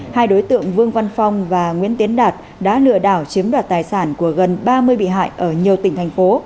hai đối tượng vương văn phong và nguyễn tiến đạt đã lừa đảo chiếm đoạt tài sản của gần ba mươi bị hại ở nhiều tỉnh thành phố